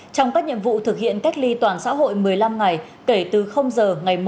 trong các nhiệm vụ thực hiện cách ly toàn xã hội một mươi năm ngày kể từ giờ ngày một